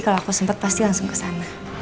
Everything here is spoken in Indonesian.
kalau aku sempet pasti langsung kesana